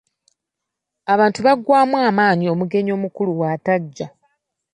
Abantu baggwamu amaanyi omugenyi omukulu bw'atajja.